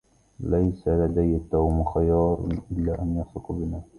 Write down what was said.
ليس لدى توم خيار إلا أن يثق بنا.